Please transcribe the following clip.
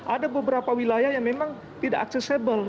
ada beberapa wilayah yang memang tidak aksesibel